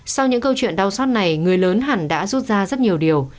sau những câu chuyện đau xót này người lớn hẳn đã rút ra rất nhiều điều